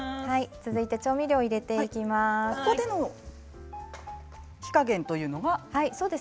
続いて調味料を入れていきます。